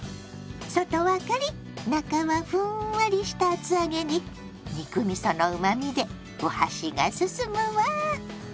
外はカリッ中はふんわりした厚揚げに肉みそのうまみでお箸がすすむわ。